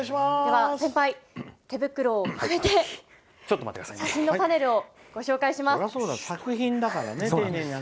先輩、手袋をはめて写真のパネルをご紹介します。